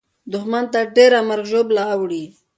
دښمن ته ډېره مرګ او ژوبله اوړي.